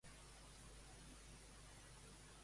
Quan hi haurà comicis, potser?